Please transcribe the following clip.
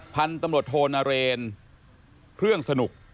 พันธุ์ตำรวจโทนเรนเครื่องสนุก